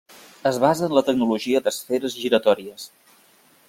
Es basa en la tecnologia d'esferes giratòries.